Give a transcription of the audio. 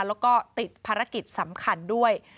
แล้วก็ติดภารกิจสำคัญด้วย